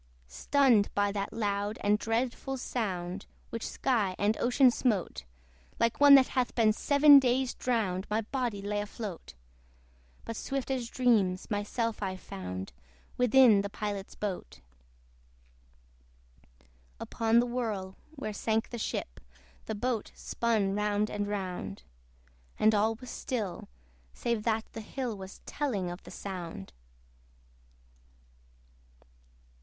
Stunned by that loud and dreadful sound, Which sky and ocean smote, Like one that hath been seven days drowned My body lay afloat; But swift as dreams, myself I found Within the Pilot's boat. Upon the whirl, where sank the ship, The boat spun round and round; And all was still, save that the hill Was telling of the sound.